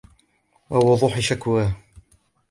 وَوُضُوحِ شَكْوَاهُ